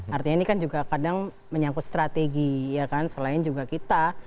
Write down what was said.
artinya ini kan juga kadang menyangkut strategi ya kan selain juga kita